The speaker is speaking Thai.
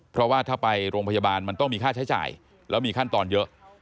เพราะว่าถ้าไปโรงพยาบาลมันต้องมีค่าใช้จ่ายแล้วมีขั้นตอนเยอะ